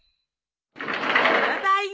ただいま。